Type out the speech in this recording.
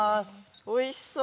おいしそう。